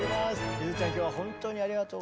ゆづちゃん今日は本当にありがとう。